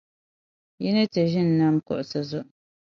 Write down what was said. yi ni ti ʒini nam kuɣisi zuɣu.